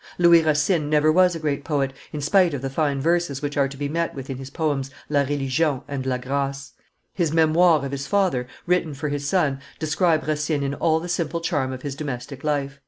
Louis Racine never was a great poet, in spite of the fine verses which are to be met with in his poems la Religion and la Grace. His Memoires of his father, written for his son, describe Racine in all the simple charm of his domestic life.